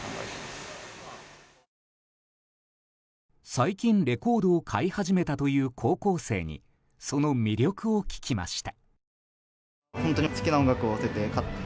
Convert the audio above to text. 最近、レコードを買い始めたという高校生にその魅力を聞きました。